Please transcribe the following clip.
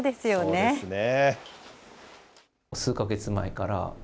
そうですね。